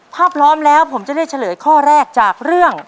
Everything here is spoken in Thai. ถ้าพร้อมแล้วผมจะเลือกเฉลยข้อแรกจากเรื่อง